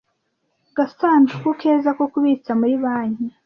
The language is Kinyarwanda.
gasanduku keza ko kubitsa muri banki.